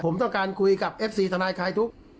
ผมมาพูดเนี้ยผมต้องการคุยกับเอฟซีธนายคายทุกข์